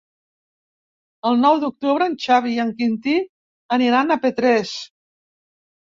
El nou d'octubre en Xavi i en Quintí aniran a Petrés.